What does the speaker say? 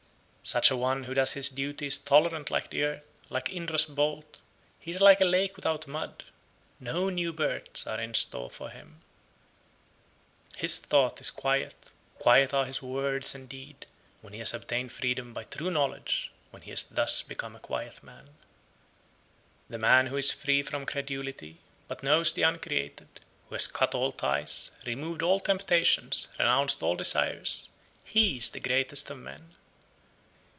95. Such a one who does his duty is tolerant like the earth, like Indra's bolt; he is like a lake without mud; no new births are in store for him. 96. His thought is quiet, quiet are his word and deed, when he has obtained freedom by true knowledge, when he has thus become a quiet man. 97. The man who is free from credulity, but knows the uncreated, who has cut all ties, removed all temptations, renounced all desires, he is the greatest of men.